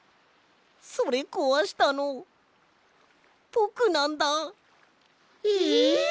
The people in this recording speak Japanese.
それこわしたのぼくなんだ！え？